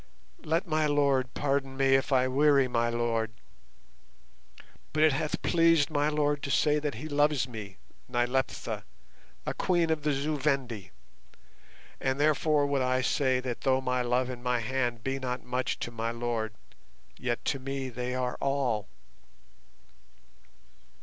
Let my lord pardon me if I weary my lord, but it hath pleased my lord to say that he loves me, Nyleptha, a Queen of the Zu Vendi, and therefore would I say that though my love and my hand be not much to my lord, yet to me are they all."